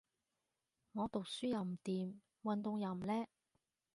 我讀書又唔掂，運動又唔叻